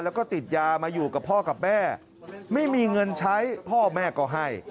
แล้วก็ติดยามาอยู่กับพ่อกับแม่ไม่มีเงินใช้พ่อแม่ก็ให้